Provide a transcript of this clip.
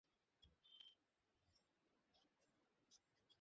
কারণ, ওয়াজিব আদায়ের দায়িত্ব পালন নফল আদায়ের চেয়ে অধিক গুরুত্ব রাখে।